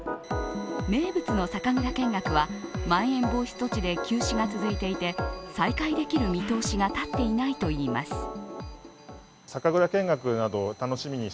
名物の酒蔵見学はまん延防止措置で休止が続いていて再開できる見通しが立っていないといいます。